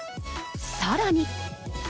さらに。